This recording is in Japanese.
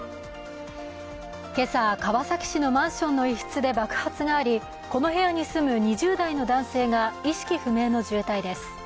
今朝、川崎市のマンションの一室で爆発がありこの部屋に住む２０代の男性が意識不明の重体です。